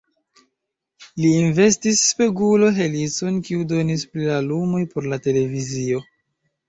Li inventis spegulo-helicon, kiu donis pli da lumoj por la televizio.